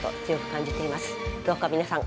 どうか皆さん